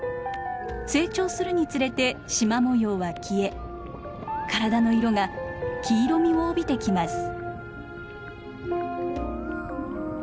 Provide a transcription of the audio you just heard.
成長するにつれてしま模様は消え体の色が黄色みを帯びてきます。